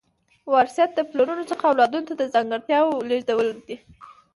وراثت د پلرونو څخه اولادونو ته د ځانګړتیاوو لیږدول دي